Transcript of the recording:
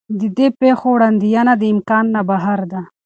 د دې پېښو وړاندوینه د امکان نه بهر ده.